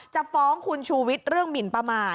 จะฟ้องคุณชูวิทย์เรื่องหมินประมาท